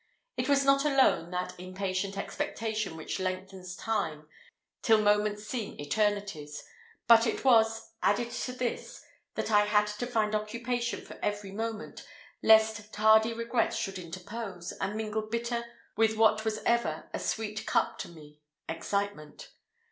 It was not alone that impatient expectation which lengthens time till moments seem eternities, but it was, added to this, that I had to find occupation for every moment, lest tardy regrets should interpose, and mingle bitter with what was ever a sweet cup to me excitement.